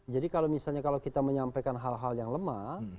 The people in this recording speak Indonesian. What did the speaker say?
jadi kalau misalnya kita menyampaikan hal hal yang lemah